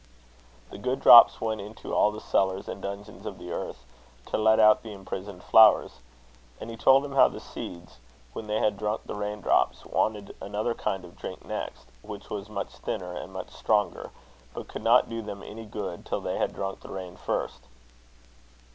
The good drops went into all the cellars and dungeons of the earth, to let out the imprisoned flowers. And he told him how the seeds, when they had drunk the rain drops, wanted another kind of drink next, which was much thinner and much stronger, but could not do them any good till they had drunk the rain first.